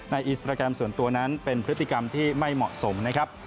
อินสตราแกรมส่วนตัวนั้นเป็นพฤติกรรมที่ไม่เหมาะสมนะครับ